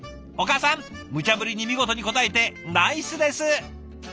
お母さんむちゃぶりに見事に応えてナイスです。